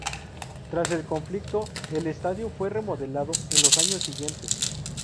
Tras el conflicto, el estadio fue remodelado en los años siguientes.